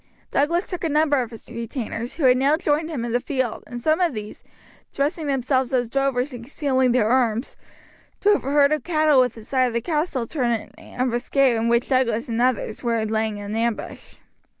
Douglas took a number of his retainers, who had now joined him in the field, and some of these, dressing themselves as drovers and concealing their arms, drove a herd of cattle within sight of the castle toward an ambuscade in which Douglas and the others were laying in ambush.